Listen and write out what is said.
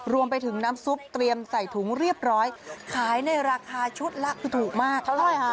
รวมไปถึงน้ำซุปเตรียมใส่ถุงเรียบร้อยขายในราคาชุดละถูกมาก